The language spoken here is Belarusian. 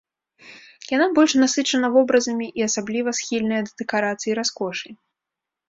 Яна больш насычана вобразамі і асабліва схільная да дэкарацыі і раскошы.